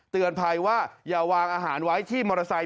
เตือนภัยว่าอย่าวางอาหารไว้ที่มอเตอร์ไซค